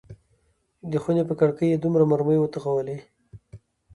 د خونې پر کړکۍ یې دوه مرمۍ وتوغولې.